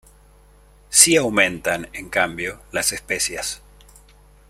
Sí aumentan, en cambio, las especias.